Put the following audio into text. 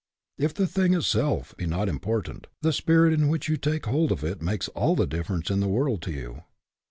If the thing itself be not important, the spirit in which you take hold of it makes all the difference in the world to you.